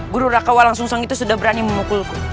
guru raka walang sung sang itu sudah berani memukulku